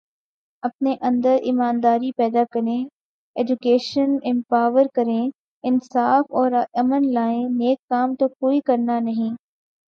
اپنے اندر ایمانداری پیدا کریں، ایجوکیشن امپروو کریں، انصاف اور امن لائیں، نیک کام تو کوئی کرنا نہیں